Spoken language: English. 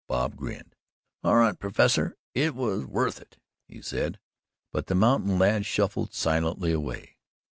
Bob grinned: "All right, professor it was worth it," he said, but the mountain lad shuffled silently away.